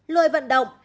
lôi vận động